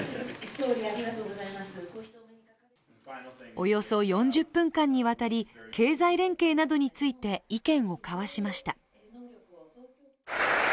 およそ４０分間にわたり経済連携などについて意見を交わしました。